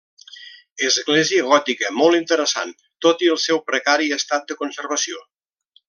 Església gòtica molt interessant, tot i el seu precari estat de conservació.